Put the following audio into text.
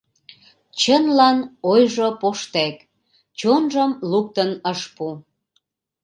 Чынлан, ойжо поштек, чонжым луктын ыш пу.